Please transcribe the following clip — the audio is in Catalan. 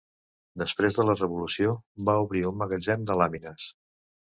Després de la Revolució va obrir un magatzem de làmines.